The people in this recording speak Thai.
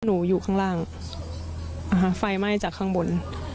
อยู่ข้างล่างไฟไหม้จากข้างบน